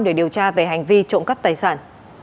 để điều tra về hành vi trộm cắp tài sản